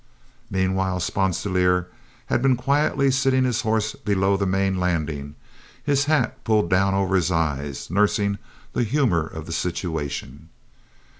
Meanwhile Sponsilier had been quietly sitting his horse below the main landing, his hat pulled down over his eye, nursing the humor of the situation.